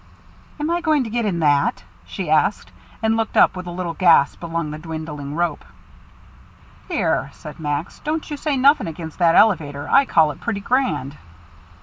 "Am I going to get in that?" she asked; and she looked up, with a little gasp, along the dwindling rope. "Here," said Max, "don't you say nothing against that elevator. I call it pretty grand."